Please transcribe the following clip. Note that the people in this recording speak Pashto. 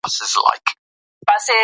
هغه د ژوند نوې فلسفه زده کړه.